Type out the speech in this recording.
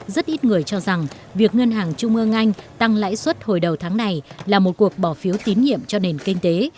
rất ít người cho rằng việc ngân hàng trung ương anh tăng lãi suất hồi đầu tháng này là một cuộc bỏ phiếu tín nhiệm cho nền kinh tế